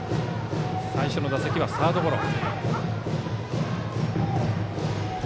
最初の打席はサードゴロ。